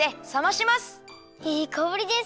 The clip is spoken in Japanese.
いいかおりです！